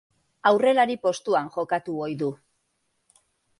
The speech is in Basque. Aurrelari postuan jokatu ohi du.